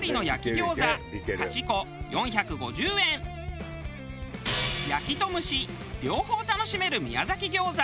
馬渡の焼きと蒸し両方楽しめる宮崎餃子。